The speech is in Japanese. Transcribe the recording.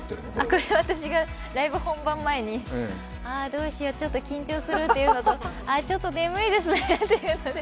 これは私がライブ本番前にどうしよう緊張するというのとちょっと眠いですねというので。